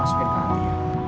gua mau masukin kamarnya